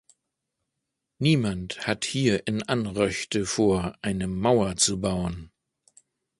Niemand hat hier in Anröchte vor eine Mauer zu bauen!